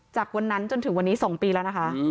จากวันนั้นจนถึงวันนี้๒ปีแล้วนะคะ